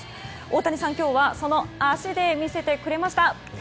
大谷さん、今日はその足で見せてくれました。